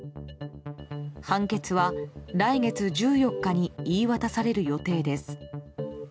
判決は来月１４日に言い渡される予定です。